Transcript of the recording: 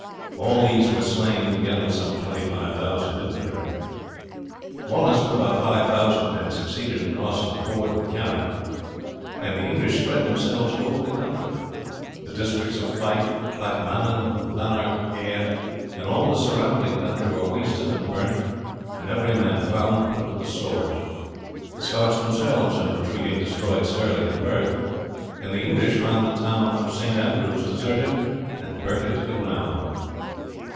All these were slain, together with some 25,000 infantry. Wallace with about 5000 men succeeded in crossing a ford of the Carron, and the English spread themselves over the country. The districts of Fife, Clackmannan, Lanark, Ayr, and all the surrounding country were wasted and burnt, and every man found put to the sword. The Scotch themselves in retreating destroyed Stirling and Perth, and the English found the town of St. Andrew's deserted, and burnt it to the ground.